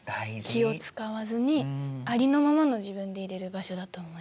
気を遣わずにありのままの自分でいれる場所だと思います。